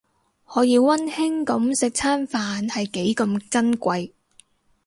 可以溫馨噉食餐飯係幾咁珍貴